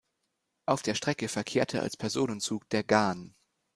Auf der Strecke verkehrte als Personenzug der „Ghan“.